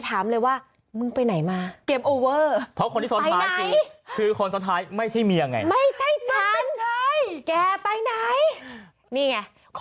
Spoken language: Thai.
อาจจะฆ่าเราได้